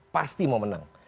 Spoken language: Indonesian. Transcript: pasti mau menang